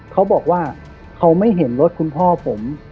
เขาบอกว่าเขาไม่เห็นรถคุณพ่อผม